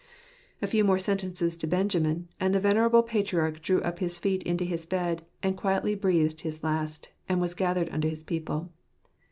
A few more sentences to Benjamin, and the venerable patriarch drew up his feet into his bed, and quietly breathed his last, and was gathered unto his people.